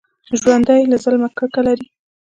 ژوندي له ظلمه کرکه لري